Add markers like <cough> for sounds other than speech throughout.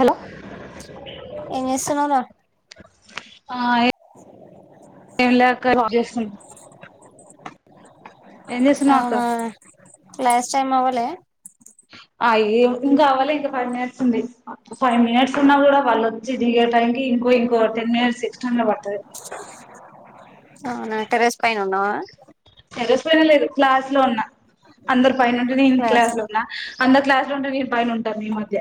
Hello ఎంజేస్తున్నవ్ రా ఆ ఏ ఎం లే అక్క ర్క్ చేస్తున్న ఏం చేస్తున్నావ్ అక్క ఔనా క్లాస్ టైమ్ అవ్వలే ఆయ్యో ఇంకా అవ్వలె ఇంక ఫై మినిట్స్ ఉంది ఫై మినిట్స్ ఉన్న గుడా వాళ్ళొచ్చి దిగే టైమ్ కి ఇంకొ ఇంకో టెన్ మినిట్స్ ఎక్సటెండ్ల పడ్తది అవునా టెర్రస్ పైన ఉన్నావా టెర్రస్ మీద లేను క్లాస్ లో ఉన్నా అందరు పైనుంటే నేను క్లాస్ లో ఉన్నా అందర్ క్లాస్ ంటే నేన్ పైన ఉంటాన్న ఈ మధ్య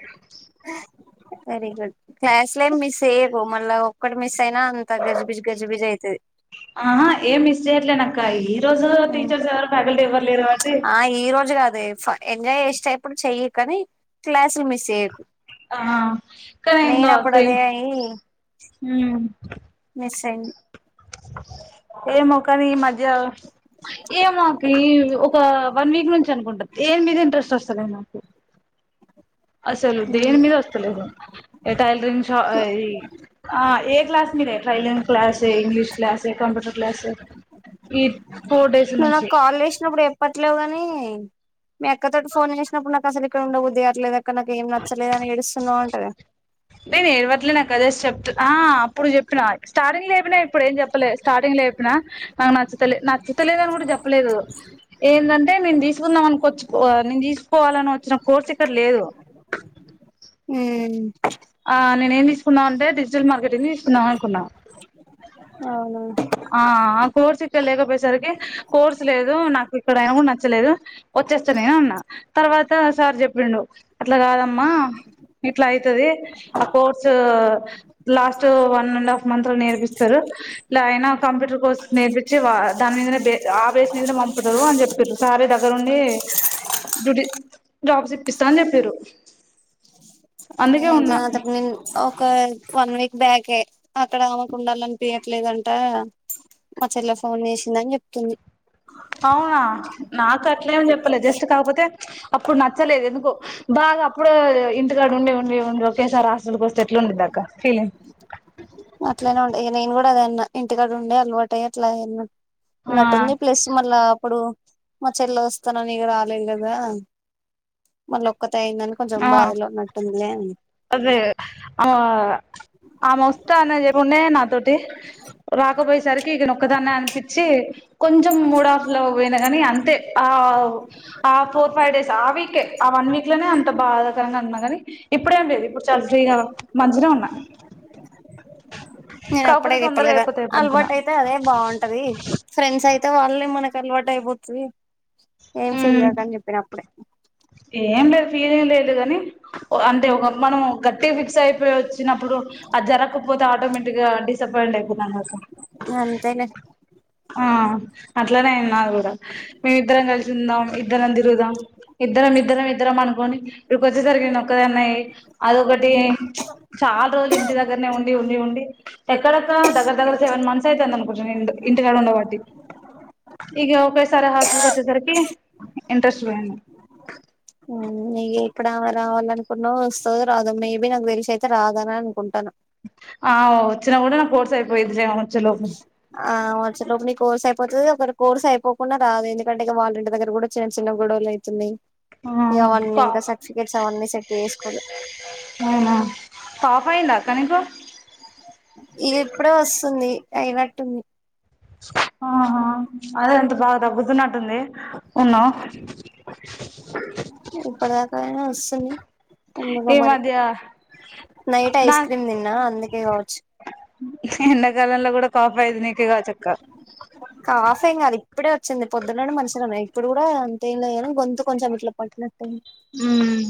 వెరీ గుడ్ క్లాస్లేం మిస్ చేయకు మళ్ళ ఒక్కటి మిస్ సైనా అంత గజిబిజి గజిబిజి ఐతది ఆహా ఏం మిస్ చేయట్లేనక్క ఈ రోజు టీచర్స్ ఎవరు ఫ్యాకల్టీ ఎవరు లేరు కాబట్టి ఆ ఈరోజు గాదె ఫై ఎంజాయ్ చేష్టప్పుడు చెయ్య కానీ క్లాసులు మిస్ చేయ్యకు ఆ కానీ నేన్ ఏందో అప్పుడు అక్క అదే అయ్యి మిస్ టెన్ ఏమొ కని ఈమద్ ధ్య ఇగ మాకి ఒక వన్ వీక్ నుంచి అనుకుంట దేన్ మీద ఇన్ ఇంట్రెస్ట్ ఒస్తలే నాకు అసలు దేని మీద ఒత్తలేద్ నాకు ఇగ టైలరింగ్ షా అహ్ ఇ అహ్ ఏ క్లాస్ మీ ట్రైలర్ క్లాసే ఇంగ్లిష్ క్లాసే కంప్యూటర్ క్లాసే ఈ ఫ్ ఫోర్ డేస్ నుంచి ఇంట్లోగాని మీయక్కతోటి ఫోన్ చేసినప్పుడు నాకు అసల్ ఇక్కడ ఉండబుద్ధికట్లేదక్క నాకేం నచ్చలేదని ఎడుస్ నేనేడవట్లేనక్క జస్ట్ చెప్ త్ ఆ అప్పుడు జేప్పినా స్టార్టింగ్ ల చెప్పనా ఇప్పుడు ఏం చెప్పలే స్టార్టింగ్ల చెప్పిన అ నచ్చుతలే నాక్ చ్చుతలేదని గూడా చెప్పలేదు ఏందంటే నేను తీసుకుందాం అనికో చ్చు అ నేను తీసుకోవాలని వచ్చిన కోర్స్ ఇక్కడ లేదు మ్మ్ ఆహ్ నేనేం తీసుకున్నా అంటే డిజిటల్ మార్కెటింగ్ తీసుకుందాం అనుకున్నా అవునా ఆ అకోర్స్ ఇక్కడ లేకపోయేసరికి కోర్స్ లేదు నాకు ఇక్కడైనా నచ్చలేదు వచ్చేస్త నేను అన్నా తర్వాతా సార్ చెప్పిండు అట్ల కాదమ్మా ఇట్లై తది ఆ course last one and half month లో నేర్పిస్తరు ఎలా అయినా కంప్యూటర్ కోర్స్ నేర్పిచి వ దాని మీదనే బే ఆ బేస్ మీదనే పంపుతరు అని జెప్పిరు సారే దగ్గరుండి <unintelligible> జబ్స్ ఇప్పిస్తా అని జెప్పిరు అయితే అంతక్ మీన్ ఒక వన్ వీక్ బ్యాకే అక్కడ ఆమకు ఉండాలనిపియట్లేదంటా మా చెల్లె ఫోన్ చేసిందని చెప్తుంది అవునా నాకు అట్లేం చెప్పలే జస్ట్ కాకపోతే అప్పుడు నచ్చలేదు ఎందుకో బాగా అప్పుడే ఇంటికాడ ఉండి ఉండి ఉండి ఒకేసారి హాస్టల్కోస్తే ఎట్లుండిందక్కా ఫీలింగ్ అట్లనే ఉండే ఇగ నేను గూడా అదే అన్న ఇంటికాడ ఉండే అలవాటు అయి అట్లా ఆయున్ ఆ నట్టుంది ప్లస్ మళ్ళా అప్పుడు మ చెల్లె వస్తాననిగ రాలేదు గదా మళ్ళ ఒక్క తైందని కొంచెం ఆ బాధలో ఉన్నటుంది లె అన్న అదే ఆ ఆమె ఒస్థా అన్న <unintelligible> ఉన్నే నాతోటి రాకపోయేసరికి ఇ నోక్కదాన్నే అనిపించి కొంచెం మూడాఫ్ లో పోయిన గనీ అంతే ఆ ఆ ఆ ఫోర్ ఫై డేస్ ఆ వీకే ఆ వన్ వీక్లనే అంత బా బాధకరంగా అన్నా గని ఇప్పుడేం లేదు ఇప్పుడు చాలా ఫ్రీగా మంచినే ఉన్న నేను అప్పుడే చెప్పలేదా అనుకున్నా అల్వాటైతే అదే బాగుంటది ఫ్రెండ్స్ అయితే వాళ్ళే మనక్ కలవాటైపోతది ఏం ఫీల్ ఉమ్ కాకని చెప్పిన అప్పుడే ఏం లేదు ఫీలేం లేదు గని అంటే ఒక మనం గట్టి ఫిక్స్ అయిపోవచ్చు వచ్చినప్పుడు అది జరకపోతే ఆటోమేటిక్ గా డిసప్పయింట్ అయిపోతాం గాక్క అంతేలే ఆ అట్లనే అయింది నగుడా మేమిద్దరం కలిసి ఉందాం ఇద్దరం తిరుగుదాం ఇద్దరం ఇద్దరం ఇద్దరం అనుకొని ఇప్పుడొచ్చెసరికె నేనోక్కదాన్నయ్ అదొకటి చాలా రోజులు ఇంటి దగ్గరనే ఉండి ఉండి ఉండి ఎక్కడెక్కడ దగ్గర దగ్గర సెవెన్ మంత్ త్స్ అయితాందనుకుంటా నేన్ ఇంట్ ఇంటికాడ ఉండవట్టి ఇగ ఒకేసారి హాస్ కి వచ్చేసరికి ఇంట్రెస్ట్ పోయింది నీ ఇప్పుడమే రావాలనుకున్నా ఒస్తదో రాదొ మేబి నాకు తెలిసి అయితే రాదాని అనుకుంటాన ఆ ఒచ్చిన కూడా నా కోర్స్ అయిపొయిదిలే ఆ ఆ వొచ్చేలోప్ నీక్ కోర్స్ అయిపోతది ఒకరు కోర్స్ అయిపోకుండా రాదు ఎందుకంటే ఇగ వాళ్ళ ఇంటి దగ్గర కూడా చిన్న చిన్న గొడవలు అయితున్నయ్ ఇగ వన్నీ కా ఇంకా సట్ ఫికెట్స్ అవన్నీ సెటు ఏస్ కోలే ఔనా పాస్ ఐద కనీసమ్ ఇగ ఇప్ డే ఓస్తుంది అయినట్టుంది ఆహా అదే ఎంత బాగుదా దగ్గుతునట్టు ఉన్నది ఉన్న ఇప్పుటిదాకా అయినా ఒస్తుంది ఈమధ్య నైట్ ఐస్ క్రీం దిన్న అందుకే కవో చ్ ద కాఫ్ వైజ్ నీకే గా వచ్చక్క కాఫ్ ఏం గాద్ ఇప్పుడే వచ్చింది పొద్దు నుండి మంచ్ నే ఉన్ ఇపుడు కూడా అంతేమ్ లే గని గొంతు కొంచమ్ ఇట్లా పట్ నట్ టుంది హ్మ్మ్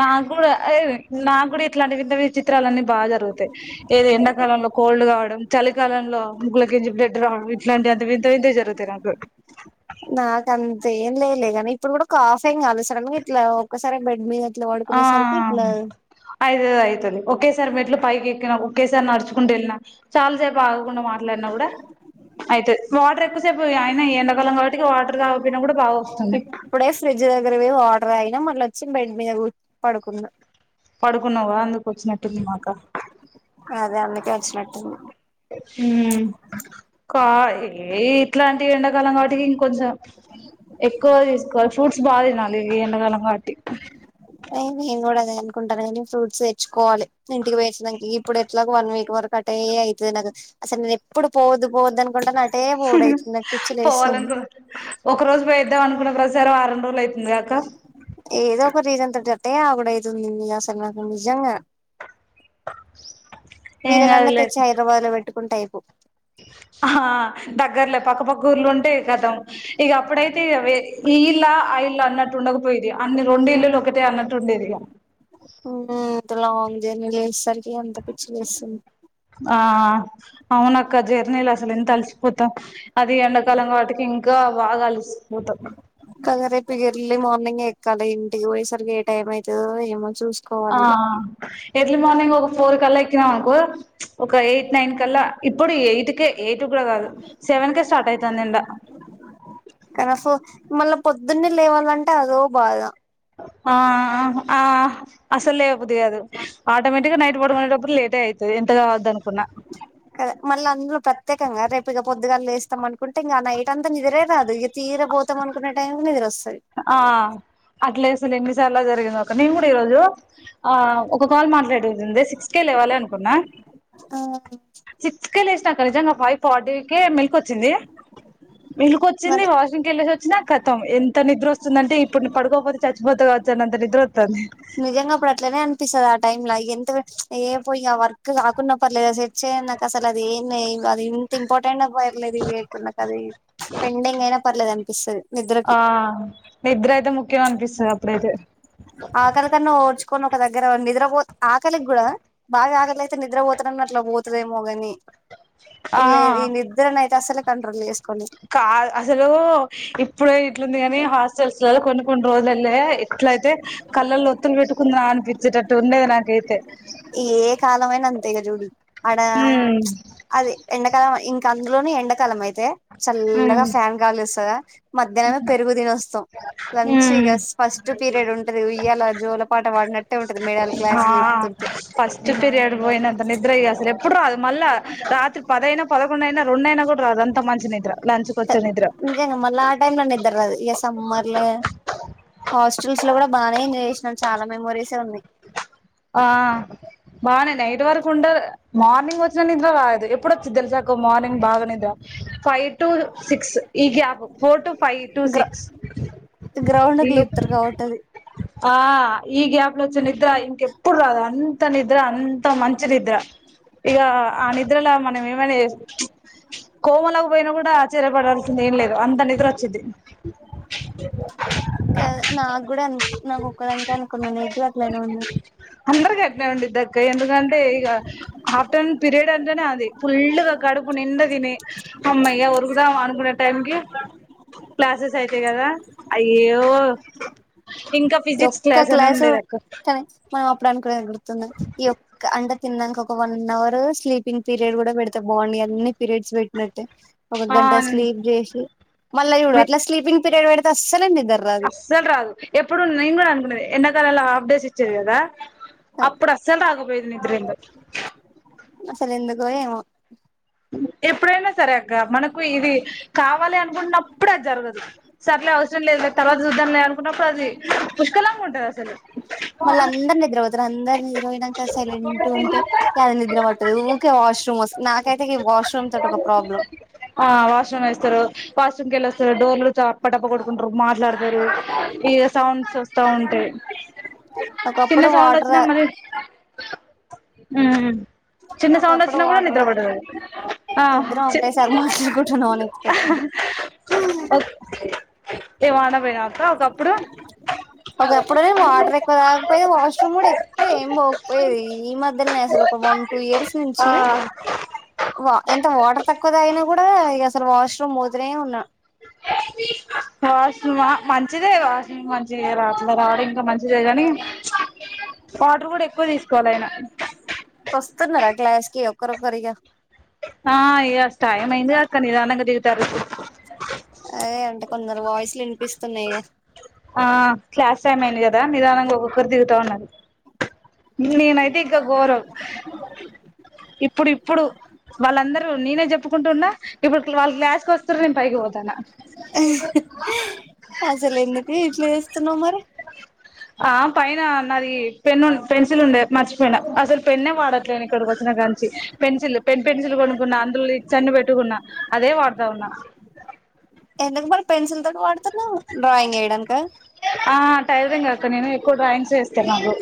నా గుడా అయ్ నాకూడా ఇట్లాంటి వింత విచిత్రాలన్నీ బా జరుగుతాయి ఏది ఎండాకాలన్ కోల్డ్ కావడం చలికాలంలో ముక్కులో కెంచి బ్లెడ్ రావం ఇట్లాంటి అంత వింత వింతాయ్ జరుతాయి నాకు నాక్ అంతేమ్ లేలేగాని ఇపుడు కూడా కాఫ్ ఏం కాలే సడన్ గా ఇట్లా ఒక్కసరే బెడ్ మీద ఇట్లా ఆ పడుకునేసరికి ఇట్లా ఆ అయ్ అయితది ఒకేసార్ మెట్లు పైకి ఎక్కిన గూడ ఒకేసార్ నడ్ చ్ కుంటూ ఎళ్ నా చాల్ సేప్ ఆగకుండా మాట్ లాడ్ నా గుడా అయితద్ వాటర్ ఎక్కుసేపు అయ్ నా ఈ ఎండక్ ఇప్ డే ఫ్రిడ్ జ్ దగ్గర పోయ్ వాటర్ దాగిన మల్ లో చిన్ బెడ్ మీద్ కూ పడుకున్నా పడుకున్నావు కదా అందుకు వచ్చినట్టుంది మాకా అదా అందుకే వచ్ నట్ ఉమ్మ్ కా ఈ ఇట్లాన్ ఈ ఎండాకాలం కావ్ ట్టికి ఇంకొంచ ఎక్కు తీస్ కోల్ ఫూట్స్ బా దినాలి ఈ ఎండకాలం వాటి ఏల్ బి నేన్ గుడా అదే అన్ కుంటాన గానీ ఫూట్స్ తెచ్ కోవాలే ఇంటికి పోయాచ్ నంకి ఇప్ ఇప్ డేట్లాగో వన్ వీక్ వరక్ అటే అయ్ తద్ నకు అసల్ నే రేపుడు పోవోద్దు పోవోద్దు అనుకుంటన ఉహ్ పోవాలన్ రోజ్ ఒక రోజు పోయో దామ్ అనుకున్న ప్రస్ సార్ వారామ్ రోల్ అయ్ తుంద్ గాఅక్క కువ రీజన్ తొత్ తోట్టే ఆగుడయితుంది అసల్ నాకు నిజంగా ఏం వీలానన్నా తెచ్ కాదులే హైద్రబాద్ లో పెట్టుకుంటే అయిపో ఆ హ దగ్గర్లే పక్కపక్క ఊర్లు ఉంటే కతం ఇగ అప్పుడైతే వే ఇ ఇల్ లా ఆ ఇల్ అనట్ ఉండక్ పోది అన్ డ్ల రొండు ఇల్లులు ఒకటే అన్నట్ టుండేదిగా ఇగ హుహుమ్ ఇంత లాంగ్ జర్ నీల్ జేస్ సరికి అంత పిచ్ లేస్తుంది ఆ ఔనక్క జర్ నీల్ అసల్ ఎంత అల్ సిపోతాం అది ఎండకాలం వాటికి ఇంకా బాగ్ అల్ సిపోతాం ఎల్ లీ మార్ నింగే ఎక్కాలి ఇంటిక్ పోయేసరికి ఏ టైం అయితదో ఏమో ఆ చూసుకోవాలి ఇగ ఎర్ ల్ మార్ నింగ్ ఒక ఫోర్ కల్లా ఎక్కిన అనుకో చ్ ఒక ఎయిట్ నైన్ కల్లా ఇప్పుడు ఎయిట్ కే ఎటుక్ గుడ గాదు సెవెన్ కే స్టార్ట్ ఐతంద్ ఎండ కన ఫో మళ్ళ పొద్దున్నే లేవాలంట అదో బాధ ఆ ఆ ఆ హ్ అసల్ లేవ్ బుద్ది గాదు ఆటోమేటి గా నైట్ పడుకునేటప్పుడు లేటె అయి సఏ యంట గావో దను కద మళ్ అంద్ లో పత్తేకంగా రేపు ఇగ పోద్ దుగల్ లేేస్తాం అనుకుంటే ఇంగా ఆ నైట్ అంతా నిదరే రాదు ఇగ తీర పోతాం అనుకునే టైం నిదరోస్ ఆ అట్లే లేస్ ల్ ఎన్నిసార్లో జరిగిందొక నేన్ గుడా ఈ రోజు ఆ ఒక కాల్ మాట్లాడేదుంది సిక్స్ కే లేవాలే అనుకున్నా ఆ సిక్స్ కేే లేశ్ నక్క నీజంగా ఫై ఫార్టీకే మెల్ కోచ్చింది మెలు మరి కోచ్చింది వాషూ రూమ్ కేల్లెసోచ్ నా కాతం ఎంత నిద్రోసు వొస్ తున్ అంటే ఇప్ న్ డు పడుకోపోత్ చచ్ పోతగావచ్ అన్ నంతా నిద్రోతాంది నిజంగా అప్పుడు అట్లనే అనిపిస్తది. ఆ టైమ్ ల ఎంత చ్ ఏ పోయి ఆ వర్క్ కాకున్న పర్లేదు సెర్చి నాకు అసలు అది ఏం అది ఇంత ఇంపార్టెంట్ అ పర్లేదు ఇ ఇప్పుడు నాకు అది పెండింగ్ అయినా ప పర్లేదు అనిపిస్తతది. ఆ నిద్రయితే ముఖ్యం అనిపిస్తది అప్పుడైతే ఆకలి కన్న ఓర్చుకోను ఒక దగ్గర నిదర్ బోత్ ఆకలి గుడ బాగా ఆకలయితే నిద్రపోత నునట్లు పోతదేమో గని ఆ ఇల్ లే ఈ నిద్రనైతే అసలే కంట్రోల్ లెస్ కాద్ అసలూ ఇప్పుడే ఇట్లుంది గాని హాస్టల్ స్టల్ స్ లలో కొన్ని కొన్ రోజ్ లేళ్ళే ఎట్లయితే కళ్ళల్లో ఒత్తుల్ పెట్టుకుంద్ నా అన్ పిచేటట్టు ఉండేదే నాకేతే ఏ కాల వైయిన అంతే ఇగ జుడు ఆడా చ్ ఉమ్ అది ఎండాకాలవై ఇంకా ఇందులోనే ఎండాకాలం అయితే చల్లగా ఫ్యాన్ గాలి వస్తదా, మధ్యాహ్నమే పెరుగు తిని వస్తాం. లంచ్ ఇగ స్ ఫస్ట్ పీరియడ్ ఉంటది ఉయ్యాల జోల పాట పాడినట్టే ఉంటది మేడాలు ఆ క్లాసులు చెప్తుం ఫస్ట్ పిర్యేడుపోయినంత నిద్ర ఇగ అసలు ఎప్పుడు రాదు. మళ్ళ రాత్రి పదైనా, పదకొండు అయినా రెండు న్నైనా కూడ రాదు అంత మంచి నిద్ర లంచ్కి వచ్చే నిద్ర మల్ల ఆ టైమ్ లో నిద్దర రాదు. ఇగ సమ్మర్ లో హాస్టల్స్ లో కూడా బానే ఎంజాయ్ చేసినం చాలా మెమోరీసే ఉన్నాయి. ఆ బానే నైట్ వరుకు ఉండద్ మార్నింగ్ వచ్చిన నిద్ర రాదు. ఎప్పుడు వచ్చిద్ధి తెలుసక మార్నింగ్ బాగా నిద్ర ఫై టూలు సిక్స్ ఈ gap four two five two six ground ఈ కి లేపుతరు కాబట్టి అది ఆ ఈ గ్యాప్ లొ వచ్చే నిద్ర ఇంకెప్ అంత నిద్ర అంత మంచి నిద్ర ఇగ ఆ నిద్రల మనం ఏమైనా చె కోమలకు పోయినా కూడా ఆశ్చర్యపడాల్సిందేం లేదు అంత నిద్ర వచ్చిద్ది. బ్లాంక్ కద్ నా కూడ అ నాకొక్కదానికి అనుకున్న నీకు కూడా అట్లనే ఉందా. అందరికి అట్నే ఉండిదక్క ఎందుకంటే ఇగ హాఫ్టర్నూన్ పీరియడ్ అంటేనే అది ఫుల్లుగా క కడుపునిండ తిని హమ్మయ్య ఒరుగుదాం అనుకున్న టైంకి. క్లాసెస్ అయితయి కదా అయ్యో ఇంక ఈ ఫిజిక్స్ ఒక్క క్లాస్ అని క్లాసు ఉండేది అక్క. కానీ మనం అప్పుడనికునేది గుర్తుంద ఈ యొక్క అండ తిన్నంక ఒక వన్ అవర్ స్లీపింగ్ పీరియడ్ కూడా పెడితే బాగుండు ఈ అన్ని పీరియడ్స్ పెట్టినట్టే. ఒక ఆ గంట స్లీప్ చేసి మళ్ళచూడు అట్లా స్లీపింగ్ పీరియడ్ పెడితే అస్ అస్సలు రాదు ఎప్పుడు నేను కూడా అనుకునేది ఎండాకాలంలో హాఫ్ డేస్ ఇచ్చేది కదా. అప్పుడు అస్సలు రాకపోయేది నిద్ర ఏందో. అసలు ఎందుకో ఏమో? ఎప్పుడైనా సరే అక్క మనకు ఇది కావాలి అనుకున్నప్పుడె అది జరగదు సరెలే అవసరం లేదు లె, తర్వాత చూద్దం లె అనుకున్నప్పుడు అది పుష్కలంగా ఉంటది. అసలు బ్లాంక్ మళ్ళ అందరు నిద్రపోతరు. అందరు నిద్ర పోయినంక సైలెంట్ ఉంటే అది నిద్ర పట్టదు ఊరకే వాష్రూమ్ మొస్ నాఖైతేగిప్ ఆ వాష్రూమ్ వేస్తరు. వాష్రూమ్ కెళ్ళొస్తరు డోర్లు టప్పటప్ప కొట్టుకుంటరు, మాట్లాడతరు ఇగ సౌండ్స్ వస్తా ఉంటాయి. చిన్న ఒకప్పుడు సౌండ్ వాటర్ వచ్చినా మరి మ్ చిన్న సౌండ్ ఒకప్పుడు వచ్చిన కూడా వాటర్ నిద్ర పట్టదు అది ఇద్దరం ఒకటే సారి మాట్లాడుకుంటున్నాం అన్ ఎక్స్పెక్టెడ్ గ హ్ బ్లాంక్ పోయినవక్క ఒకప్పుడు ఒక అప్పుడు నే వాటర్ ఎక్కువ తాగక పోయే వాష్రూమ్ కూడా ఎక్కువ ఏం పోకపోయది. ఈ మధ్యలోనే అసలు ఒక వన్ టూ ఇయర్స్ నుంచి ఆ వా ఎంత వాటర్ తక్కువ తాగినా కూడా ఇగ అసలు వాష్రూమ్ పోతనే ఉన్నా. మంచిదేగా వాసింగ్ మంచిదికే కాని రాట్లో రావడం ఇంకా మంచిదే గానీ వాటర్ కూడా ఎక్కువ తీసుకోవాలయిన వస్తున్నర క్లాస్కి ఒక్కరు ఒక్కరి ఆ ఇగ టైం అయ్యింది అక్క నిదానంగా దిగుతారు. అదే అంటే కొందరు వాయిస్లు వినిపిస్తున్నాయ్ ఇగ ఆ క్లాస్ టైం అయ్యింది కదా నిదానంగా ఒక్కరు దిగు అన్నది నేనైతే ఇంక గోరం ఇప్పుడు ఇప్పుడు వాళ్ళందరూ నేనే చెప్పుకుంటున్నా ఇప్పుడు వాళ్లు క్లాస్ కొస్ అసలు ఎందుకు చేస్తున్నావ్ మరి ఆ పైన నాది పెన్ను పెన్సిల్ ఉండే మర్చిపోయినా. అసలు పెన్నే వాడట్లేను ఇక్కడికి వచ్చిన గానుంచి పెన్సిల్ పెన్ పెన్సిల్ కొనుకున్న అందులో లీడ్స్ అన్ని పెట్టుకున్న అదే వాడత ఉన్న ఎందుకు మరి పెన్సిల్ తోటి వాడుతున్నవ్ ఆ టైలరింగ్ అక్క నేను ఎక్కువ డ్రాయింగ్స్ వేస్తున్నాను.